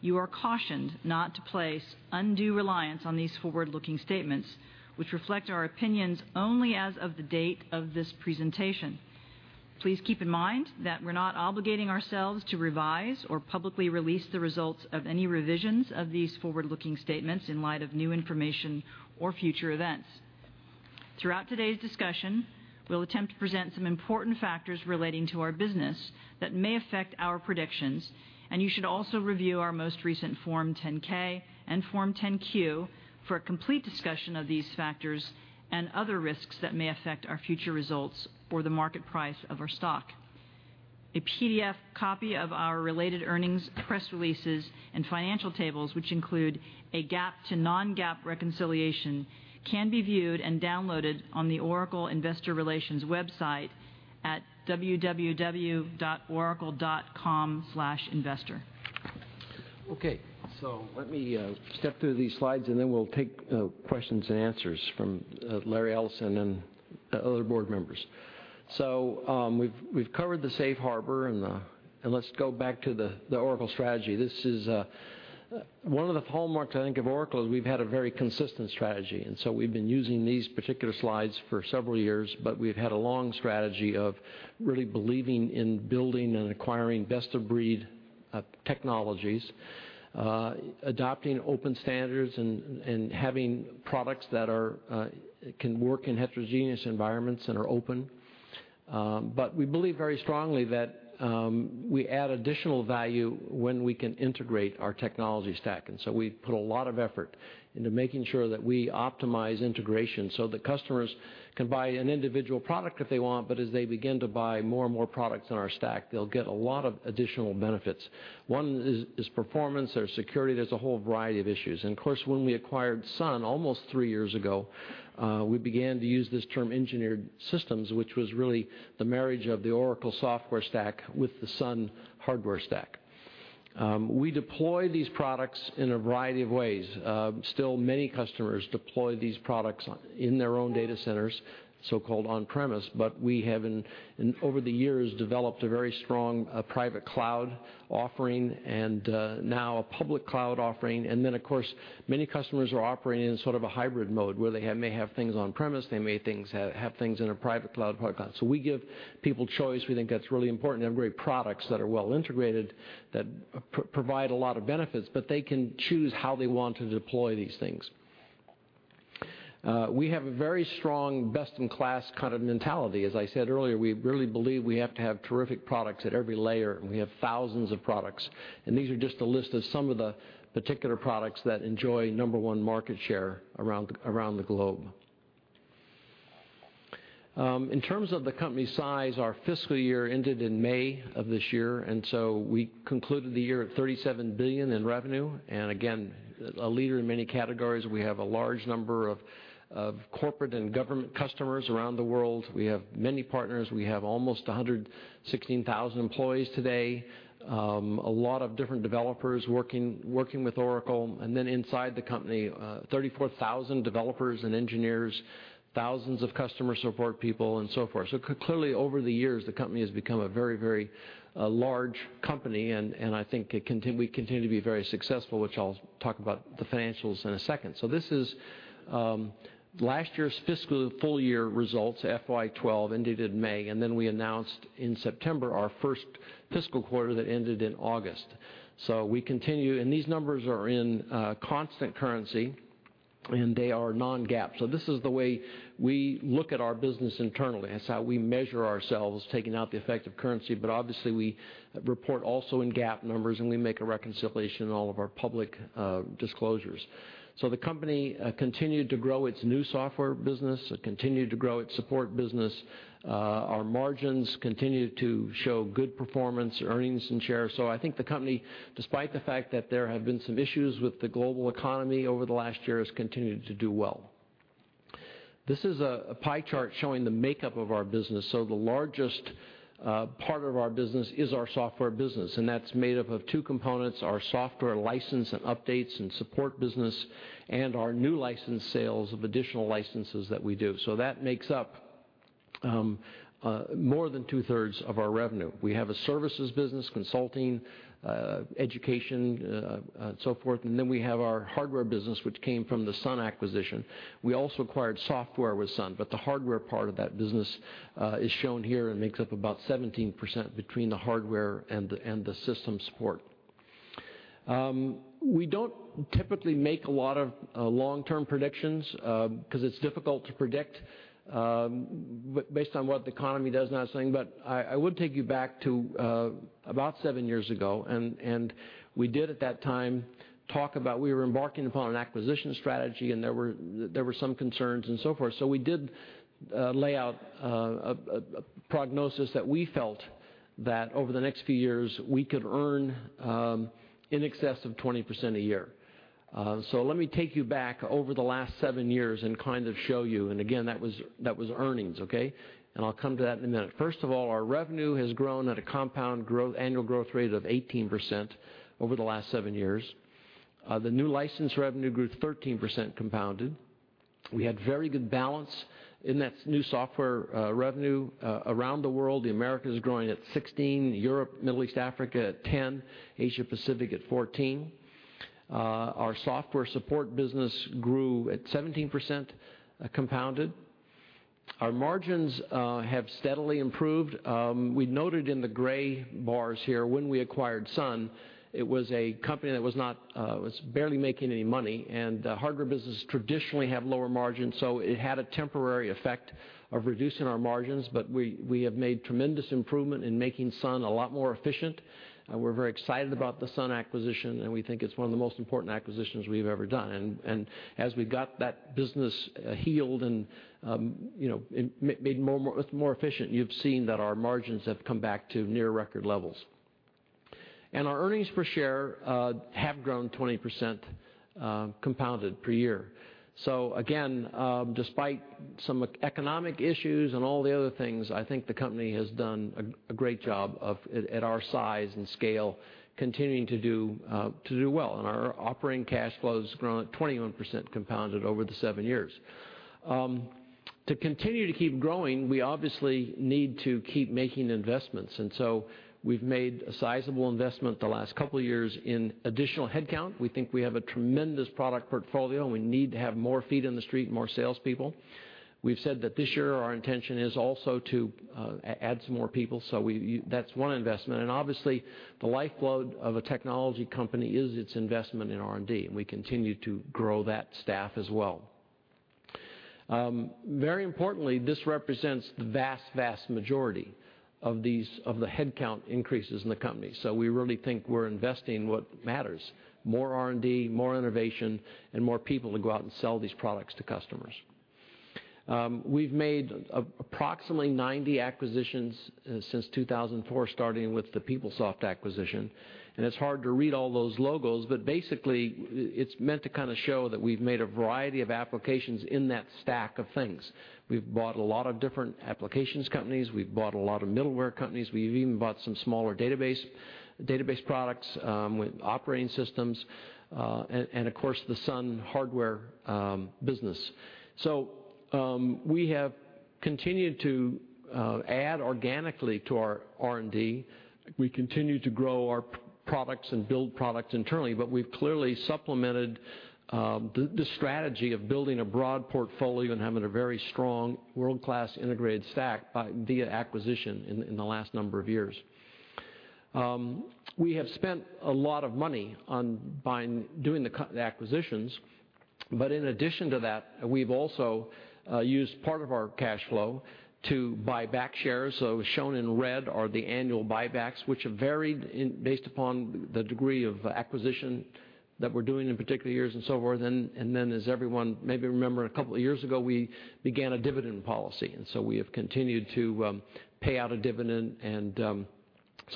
You are cautioned not to place undue reliance on these forward-looking statements, which reflect our opinions only as of the date of this presentation. Please keep in mind that we're not obligating ourselves to revise or publicly release the results of any revisions of these forward-looking statements in light of new information or future events. Throughout today's discussion, we'll attempt to present some important factors relating to our business that may affect our predictions, you should also review our most recent Form 10-K and Form 10-Q for a complete discussion of these factors and other risks that may affect our future results or the market price of our stock. A PDF copy of our related earnings, press releases, and financial tables, which include a GAAP to non-GAAP reconciliation, can be viewed and downloaded on the Oracle investor relations website at www.oracle.com/investor. Okay. Let me step through these slides and then we'll take questions and answers from Larry Ellison and other board members. We've covered the safe harbor, let's go back to the Oracle strategy. One of the hallmarks, I think, of Oracle is we've had a very consistent strategy. We've been using these particular slides for several years. We've had a long strategy of really believing in building and acquiring best-of-breed technologies, adopting open standards, and having products that can work in heterogeneous environments and are open. We believe very strongly that we add additional value when we can integrate our technology stack. We put a lot of effort into making sure that we optimize integration so that customers can buy an individual product if they want, but as they begin to buy more and more products in our stack, they'll get a lot of additional benefits. One is performance. There's security. There's a whole variety of issues. When we acquired Sun almost three years ago, we began to use this term engineered systems, which was really the marriage of the Oracle software stack with the Sun hardware stack. We deploy these products in a variety of ways. Still, many customers deploy these products in their own data centers, so-called on-premise, but we have, over the years, developed a very strong private cloud offering and now a public cloud offering. Of course, many customers are operating in sort of a hybrid mode where they may have things on-premise, they may have things in a private cloud, public cloud. We give people choice. We think that's really important to have great products that are well integrated, that provide a lot of benefits. They can choose how they want to deploy these things. We have a very strong best-in-class kind of mentality. As I said earlier, we really believe we have to have terrific products at every layer. We have thousands of products. These are just a list of some of the particular products that enjoy number 1 market share around the globe. In terms of the company size, our fiscal year ended in May of this year. We concluded the year at $37 billion in revenue. Again, a leader in many categories. We have a large number of corporate and government customers around the world. We have many partners. We have almost 116,000 employees today. A lot of different developers working with Oracle. Inside the company, 34,000 developers and engineers, thousands of customer support people, and so forth. Clearly, over the years, the company has become a very large company. I think we continue to be very successful, which I'll talk about the financials in a second. This is last year's fiscal full-year results, FY 2012, ended in May. We announced in September our 1st fiscal quarter that ended in August. We continue. These numbers are in constant currency, and they are non-GAAP. This is the way we look at our business internally. That's how we measure ourselves, taking out the effect of currency. Obviously, we report also in GAAP numbers, we make a reconciliation in all of our public disclosures. The company continued to grow its new software business. It continued to grow its support business. Our margins continued to show good performance, earnings, and share. I think the company, despite the fact that there have been some issues with the global economy over the last year, has continued to do well. This is a pie chart showing the makeup of our business. The largest part of our business is our software business, and that's made up of two components, our software license and updates and support business, and our new license sales of additional licenses that we do. That makes up more than two-thirds of our revenue. We have a services business, consulting, education, and so forth. We have our hardware business, which came from the Sun acquisition. We also acquired software with Sun, but the hardware part of that business is shown here and makes up about 17% between the hardware and the system support. We don't typically make a lot of long-term predictions because it's difficult to predict based on what the economy does and that sort of thing. I would take you back to about 7 years ago, we did at that time talk about we were embarking upon an acquisition strategy, and there were some concerns and so forth. We did lay out a prognosis that we felt that over the next few years, we could earn in excess of 20% a year. Let me take you back over the last 7 years and show you. Again, that was earnings, okay? I'll come to that in a minute. First of all, our revenue has grown at a compound annual growth rate of 18% over the last 7 years. The new license revenue grew 13% compounded. We had very good balance in that new software revenue around the world. The Americas growing at 16%, Europe, Middle East, Africa at 10%, Asia Pacific at 14%. Our software support business grew at 17% compounded. Our margins have steadily improved. We noted in the gray bars here, when we acquired Sun, it was a company that was barely making any money, and the hardware business traditionally have lower margins, so it had a temporary effect of reducing our margins. We have made tremendous improvement in making Sun a lot more efficient. We're very excited about the Sun acquisition, we think it's one of the most important acquisitions we've ever done. As we got that business healed and made more efficient, you've seen that our margins have come back to near record levels. Our earnings per share have grown 20% compounded per year. Again, despite some economic issues and all the other things, I think the company has done a great job at our size and scale, continuing to do well. Our operating cash flow has grown at 21% compounded over the 7 years. To continue to keep growing, we obviously need to keep making investments. We've made a sizable investment the last couple of years in additional headcount. We think we have a tremendous product portfolio, we need to have more feet in the street, more salespeople. We've said that this year our intention is also to add some more people. That's one investment. Obviously, the lifeblood of a technology company is its investment in R&D, and we continue to grow that staff as well. Very importantly, this represents the vast majority of the headcount increases in the company. We really think we're investing what matters, more R&D, more innovation, and more people to go out and sell these products to customers. We've made approximately 90 acquisitions since 2004, starting with the PeopleSoft acquisition. It's hard to read all those logos, but basically, it's meant to show that we've made a variety of applications in that stack of things. We've bought a lot of different applications companies, we've bought a lot of middleware companies. We've even bought some smaller database products with operating systems, and of course, the Sun Hardware business. We have continued to add organically to our R&D. We continue to grow our products and build products internally, but we've clearly supplemented the strategy of building a broad portfolio and having a very strong world-class integrated stack via acquisition in the last number of years. We have spent a lot of money on doing the acquisitions. In addition to that, we've also used part of our cash flow to buy back shares. Shown in red are the annual buybacks, which have varied based upon the degree of acquisition that we're doing in particular years and so forth. As everyone maybe remember, a couple of years ago, we began a dividend policy, and we have continued to pay out a dividend.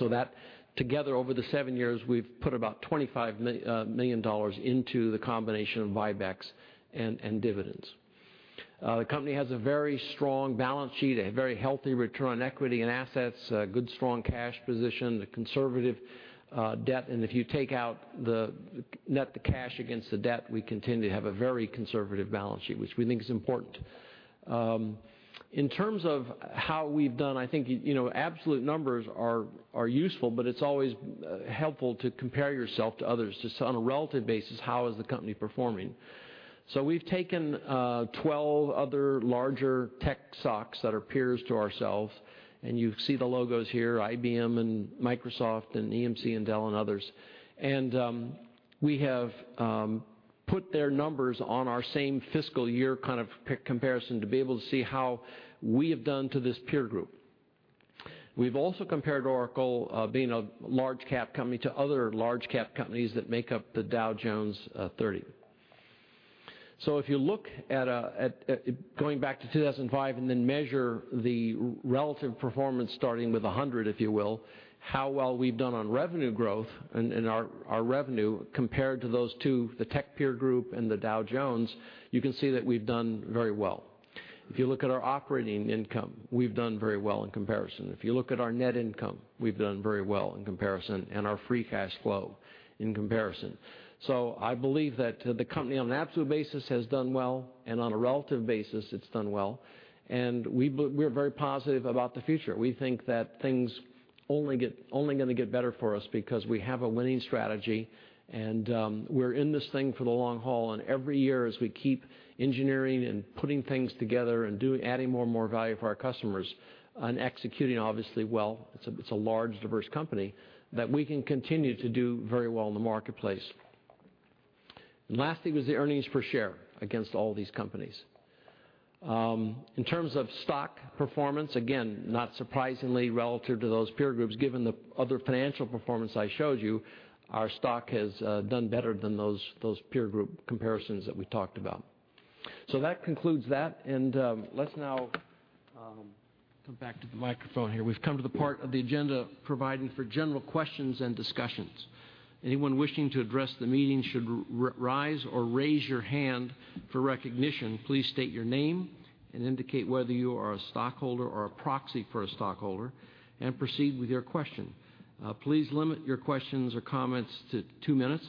That together, over the seven years, we've put about $25 million into the combination of buybacks and dividends. The company has a very strong balance sheet, a very healthy return on equity and assets, a good, strong cash position, a conservative debt, and if you take out the net, the cash against the debt, we continue to have a very conservative balance sheet, which we think is important. In terms of how we've done, I think absolute numbers are useful, but it's always helpful to compare yourself to others just on a relative basis, how is the company performing. We've taken 12 other larger tech stocks that are peers to ourselves, and you see the logos here, IBM and Microsoft and EMC and Dell and others. We have put their numbers on our same fiscal year comparison to be able to see how we have done to this peer group. We've also compared Oracle being a large cap company to other large cap companies that make up the Dow Jones 30. If you look at going back to 2005 and then measure the relative performance starting with 100, if you will, how well we've done on revenue growth and our revenue compared to those two, the tech peer group and the Dow Jones, you can see that we've done very well. If you look at our operating income, we've done very well in comparison. If you look at our net income, we've done very well in comparison, and our free cash flow in comparison. I believe that the company, on an absolute basis, has done well, and on a relative basis, it's done well. We're very positive about the future. We think that things only going to get better for us because we have a winning strategy, we're in this thing for the long haul. Every year, as we keep engineering and putting things together and adding more and more value for our customers and executing obviously well, it's a large, diverse company, that we can continue to do very well in the marketplace. Lastly was the earnings per share against all these companies. In terms of stock performance, again, not surprisingly relative to those peer groups, given the other financial performance I showed you, our stock has done better than those peer group comparisons that we talked about. That concludes that, and let's now come back to the microphone here. We've come to the part of the agenda providing for general questions and discussions. Anyone wishing to address the meeting should rise or raise your hand for recognition. Please state your name and indicate whether you are a stockholder or a proxy for a stockholder, and proceed with your question. Please limit your questions or comments to two minutes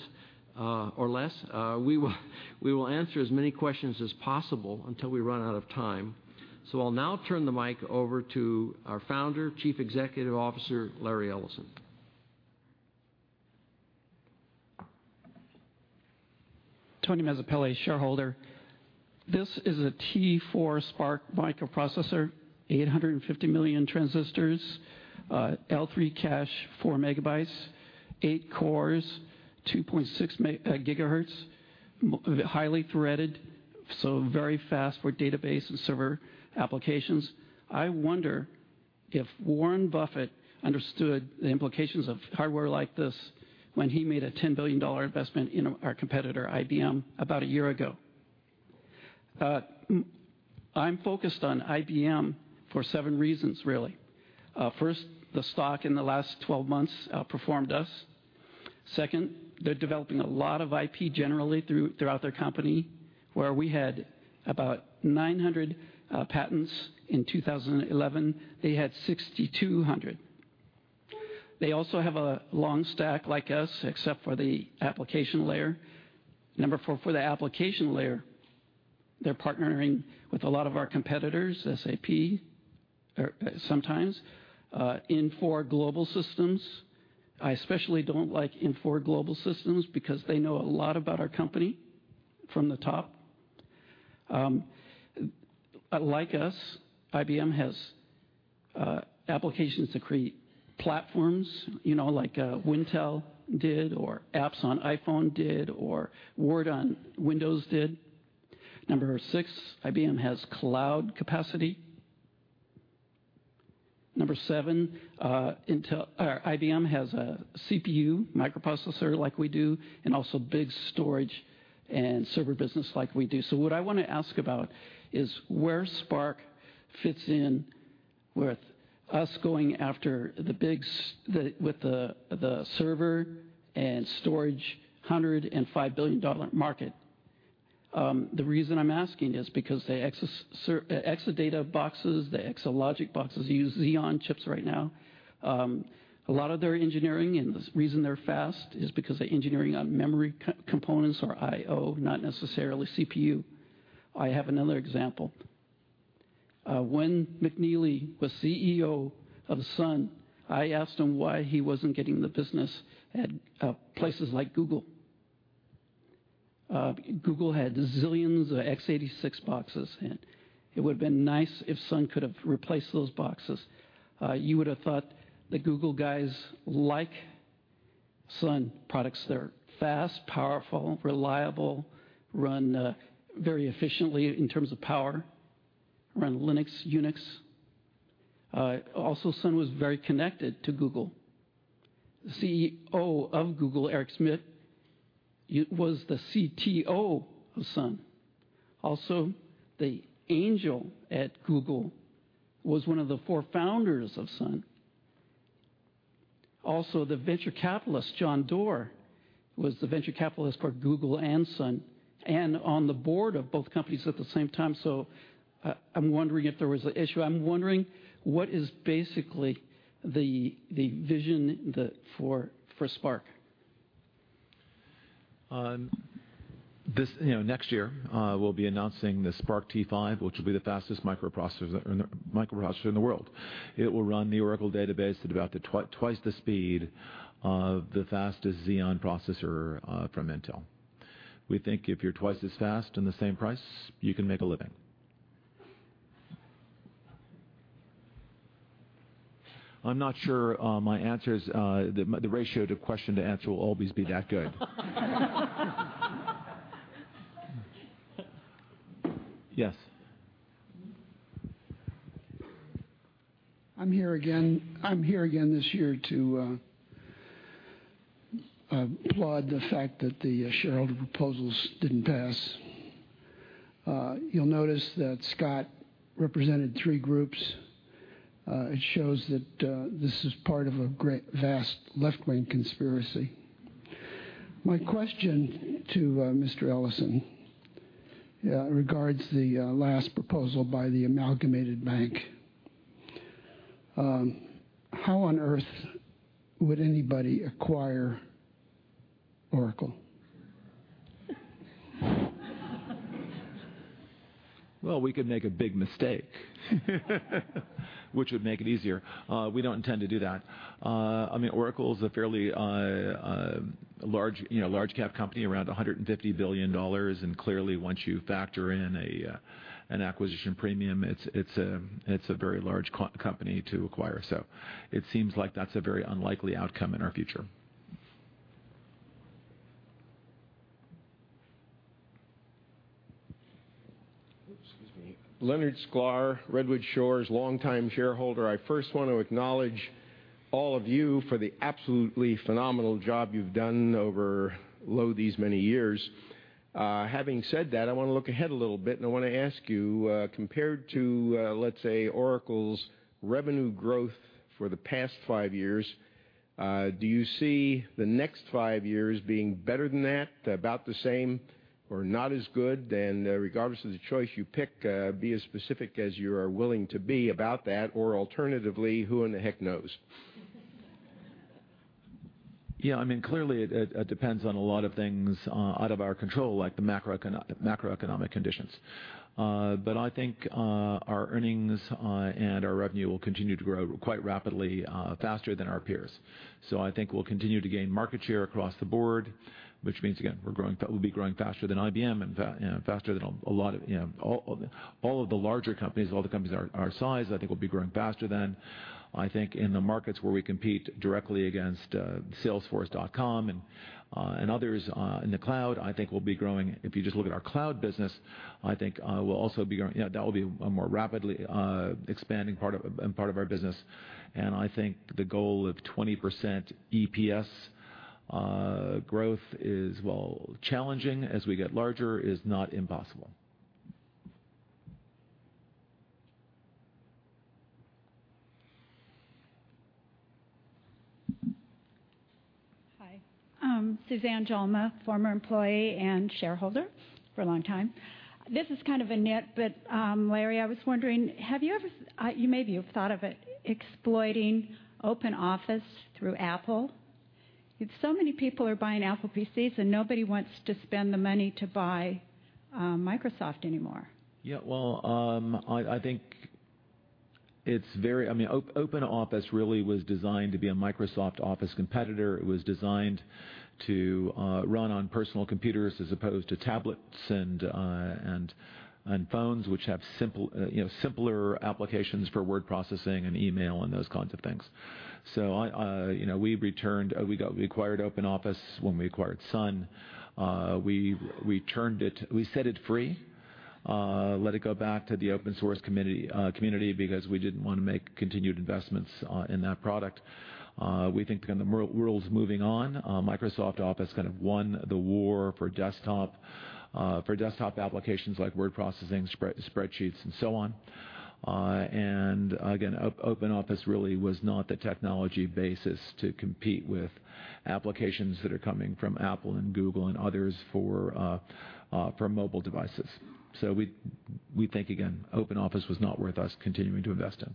or less. We will answer as many questions as possible until we run out of time. I'll now turn the mic over to our founder, Chief Executive Officer, Larry Ellison. Tony Mezzapelle, shareholder. This is a T4 SPARC microprocessor, 850 million transistors, L3 cache, four megabytes, eight cores, 2.6 gigahertz, so very fast for database and server applications. I wonder if Warren Buffett understood the implications of hardware like this when he made a $10 billion investment in our competitor, IBM, about a year ago. I'm focused on IBM for seven reasons, really. First, the stock in the last 12 months outperformed us. Second, they're developing a lot of IP generally throughout their company. Where we had about 900 patents in 2011, they had 6,200. They also have a long stack like us, except for the application layer. Number 4, for the application layer, they're partnering with a lot of our competitors, SAP, sometimes. Infor Global Solutions, I especially don't like Infor Global Solutions because they know a lot about our company from the top. Like us, IBM has applications that create platforms like Wintel did or apps on iPhone did, or Word on Windows did. Number 6, IBM has cloud capacity. Number 7, IBM has a CPU microprocessor like we do, and also big storage and server business like we do. What I want to ask about is where SPARC fits in with us going after with the server and storage $105 billion market. The reason I'm asking is because the Exadata boxes, the Exalogic boxes use Xeon chips right now. A lot of their engineering and the reason they're fast is because they're engineering on memory components or IO, not necessarily CPU. I have another example. When McNealy was CEO of Sun, I asked him why he wasn't getting the business at places like Google. Google had zillions of x86 boxes. It would've been nice if Sun could have replaced those boxes. You would've thought the Google guys like Sun products. They're fast, powerful, reliable, run very efficiently in terms of power, run Linux, Unix. Sun was very connected to Google. The CEO of Google, Eric Schmidt, was the CTO of Sun. The angel at Google was one of the four founders of Sun. The venture capitalist, John Doerr, was the venture capitalist for Google and Sun, and on the board of both companies at the same time. I'm wondering if there was an issue. I'm wondering what is basically the vision for SPARC. Next year, we'll be announcing the SPARC T5, which will be the fastest microprocessor in the world. It will run the Oracle database at about twice the speed of the fastest Xeon processor from Intel. We think if you're twice as fast and the same price, you can make a living. I'm not sure my answers, the ratio to question to answer will always be that good. Yes. I'm here again this year to applaud the fact that the shareholder proposals didn't pass. You'll notice that Scott represented three groups. It shows that this is part of a vast left-wing conspiracy. My question to Mr. Ellison regards the last proposal by the Amalgamated Bank. How on earth would anybody acquire Oracle? Well, we could make a big mistake which would make it easier. We don't intend to do that. Oracle's a fairly large cap company, around $150 billion. Clearly once you factor in an acquisition premium, it's a very large company to acquire. It seems like that's a very unlikely outcome in our future. Excuse me. Leonard Sklar, Redwood Shores, longtime shareholder. I first want to acknowledge all of you for the absolutely phenomenal job you've done over lo these many years. Having said that, I want to look ahead a little bit, I want to ask you, compared to, let's say, Oracle's revenue growth for the past five years, do you see the next five years being better than that, about the same, or not as good? Regardless of the choice you pick, be as specific as you are willing to be about that. Alternatively, who in the heck knows? Yeah, clearly it depends on a lot of things out of our control, like the macroeconomic conditions. I think our earnings and our revenue will continue to grow quite rapidly, faster than our peers. I think we'll continue to gain market share across the board, which means, again, we'll be growing faster than IBM and faster than all of the larger companies, all the companies our size, I think we'll be growing faster than. I think in the markets where we compete directly against salesforce.com and others in the cloud, I think we'll be growing. If you just look at our cloud business, I think that will be a more rapidly expanding part of our business. I think the goal of 20% EPS growth is, while challenging as we get larger, is not impossible. Hi. Suzanne Joma, former employee and shareholder for a long time. This is kind of a nit, Larry, I was wondering, have you ever, maybe you've thought of it, exploited OpenOffice through Apple? Many people are buying Apple PCs, nobody wants to spend the money to buy Microsoft anymore. Yeah. I think OpenOffice really was designed to be a Microsoft Office competitor. It was designed to run on personal computers as opposed to tablets and phones, which have simpler applications for word processing and email and those kinds of things. We acquired OpenOffice when we acquired Sun. We set it free, let it go back to the open source community because we didn't want to make continued investments in that product. We think the world's moving on. Microsoft Office kind of won the war for desktop applications like word processing, spreadsheets and so on. Again, OpenOffice really was not the technology basis to compete with applications that are coming from Apple and Google and others for mobile devices. We think, again, OpenOffice was not worth us continuing to invest in.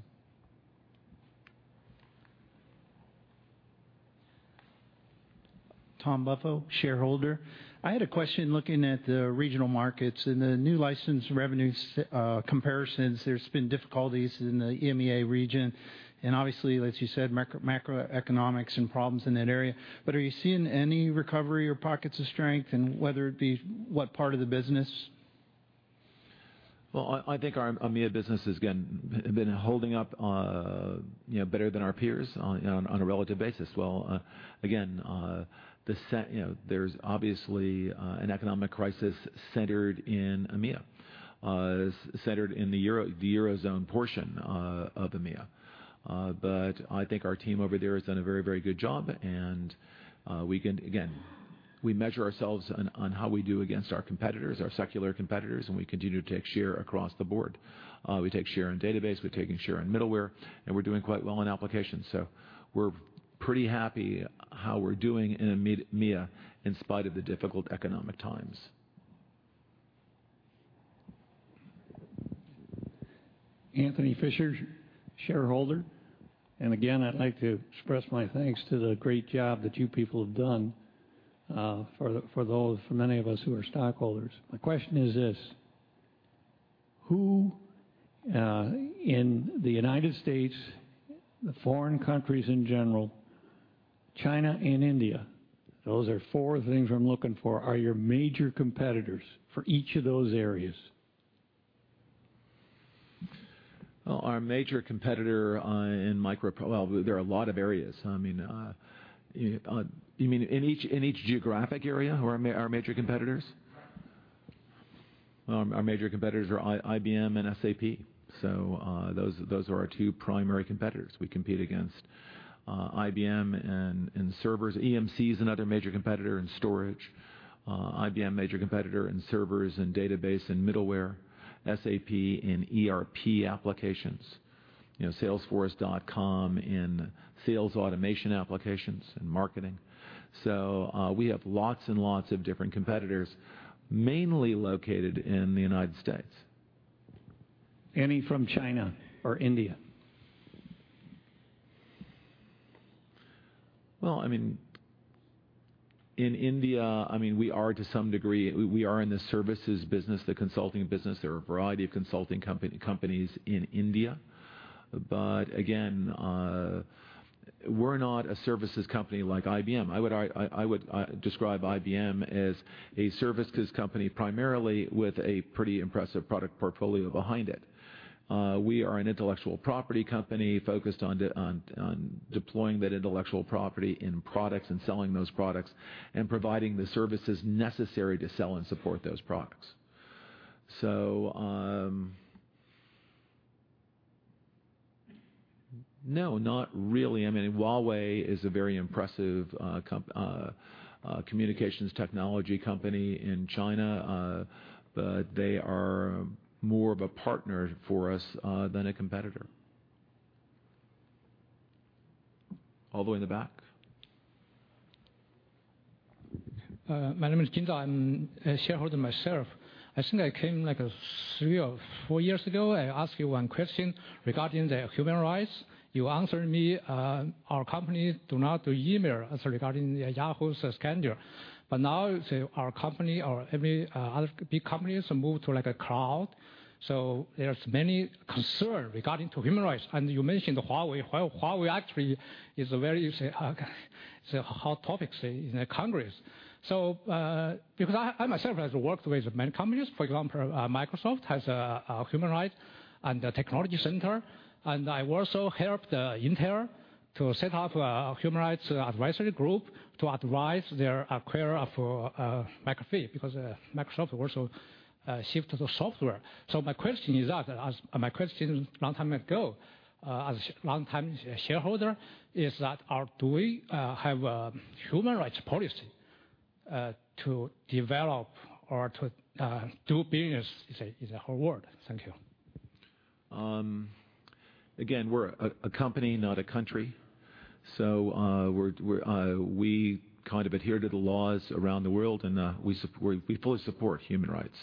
Tom Buffo, Shareholder. I had a question looking at the regional markets and the new license revenue comparisons. There's been difficulties in the EMEA region, and obviously, as you said, macroeconomics and problems in that area. Are you seeing any recovery or pockets of strength, and whether it be what part of the business? Well, I think our EMEA business has, again, been holding up better than our peers on a relative basis. Well, again there's obviously an economic crisis centered in EMEA, centered in the Eurozone portion of EMEA. I think our team over there has done a very, very good job, and we measure ourselves on how we do against our competitors, our secular competitors, and we continue to take share across the board. We take share in database, we're taking share in middleware, and we're doing quite well in applications. We're pretty happy how we're doing in EMEA in spite of the difficult economic times. Anthony Fisher, Shareholder. Again, I'd like to express my thanks to the great job that you people have done for many of us who are stockholders. My question is this: who in the U.S., the foreign countries in general, China and India, those are four things I'm looking for, are your major competitors for each of those areas? Well, our major competitor. Well, there are a lot of areas. You mean in each geographic area who are our major competitors? Right. Well, our major competitors are IBM and SAP, so those are our two primary competitors. We compete against IBM in servers. EMC is another major competitor in storage. IBM, major competitor in servers and database and middleware. SAP in ERP applications. Salesforce.com in sales automation applications and marketing. We have lots and lots of different competitors, mainly located in the United States. Any from China or India? Well, in India, we are to some degree. We are in the services business, the consulting business. There are a variety of consulting companies in India. Again, we're not a services company like IBM. I would describe IBM as a services company primarily with a pretty impressive product portfolio behind it. We are an intellectual property company focused on deploying that intellectual property in products and selling those products and providing the services necessary to sell and support those products. No, not really. Huawei is a very impressive communications technology company in China, but they are more of a partner for us than a competitor. All the way in the back. My name is [Kinza]. I'm a shareholder myself. I think I came three or four years ago. I ask you one question regarding the human rights. You answered me, our company do not do email as regarding Yahoo's scandal. Now, our company or every other big companies move to cloud. There's many concern regarding to human rights. You mentioned Huawei. Huawei actually is a very hot topic, say, in the Congress. Because I myself has worked with many companies, for example, Microsoft has a human rights and a technology center, and I also helped Intel to set up a human rights advisory group to advise their acquire of McAfee because Microsoft also shifted the software. My question is that, as my question long time ago, as a long-time shareholder, is that do we have a human rights policy to develop or to do business in the whole world? Thank you. Again, we're a company, not a country. We kind of adhere to the laws around the world, and we fully support human rights.